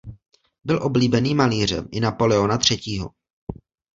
Byl oblíbeným malířem i Napoleona Třetího.